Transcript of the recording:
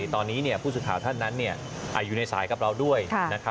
ตอนนี้ผู้สื่อข่าวท่านนั้นอยู่ในสายกับเราด้วย